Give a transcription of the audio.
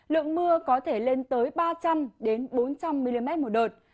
lượng mưa có thể lên tới ba trăm linh bốn trăm linh mm một đợt